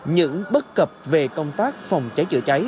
những bất cập về công tác phòng cháy chữa cháy